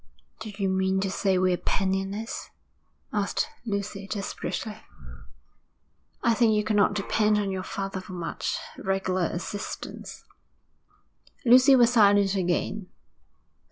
'Do you mean to say we're penniless?' asked Lucy, desperately. 'I think you cannot depend on your father for much regular assistance.' Lucy was silent again.